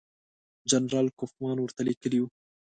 جنرال کوفمان ورته لیکلي وو.